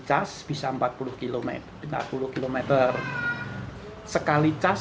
cas bisa empat puluh km tiga puluh km sekali cas